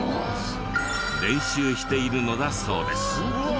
練習しているのだそうです。